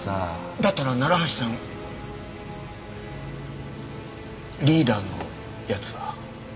だったら楢橋さんリーダーの奴は？